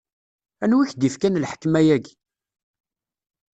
Anwa i k-d-ifkan lḥekma-agi?